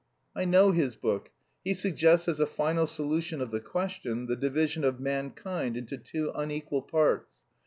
I know his book. He suggests as a final solution of the question the division of mankind into two unequal parts.